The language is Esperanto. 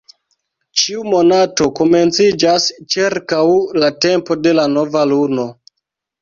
Ĉiu monato komenciĝas ĉirkaŭ la tempo de la nova luno.